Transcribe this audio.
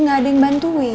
gak ada yang bantuin